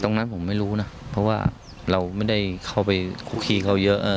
ตรงนั้นผมไม่รู้นะเพราะว่าเราไม่ได้เข้าไปคุกคีเขาเยอะ